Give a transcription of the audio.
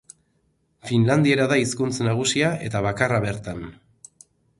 Finlandiera da hizkuntz nagusia eta bakarra bertan.